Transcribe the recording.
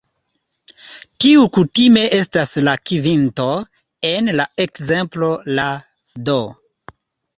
Tiu kutime estas la kvinto; en la ekzemplo la "d".